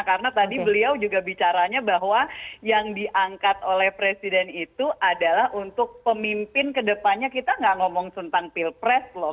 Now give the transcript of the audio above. karena tadi beliau juga bicaranya bahwa yang diangkat oleh presiden itu adalah untuk pemimpin kedepannya kita gak ngomong tentang pilpres loh